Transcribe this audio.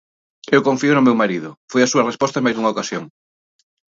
Eu confío no meu marido, foi a súa resposta en máis dunha ocasión.